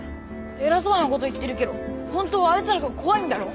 偉そうなこと言ってるけど本当はあいつらが怖いんだろ？